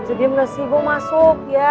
jodiam gak sih gue masuk ya